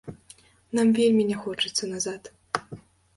Нам вельмі не хочацца назад.